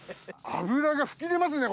脂が噴き出ますね